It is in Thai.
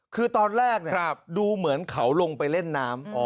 คือตอนแรกดูเหมือนเขาลงไปเล่นน้ำ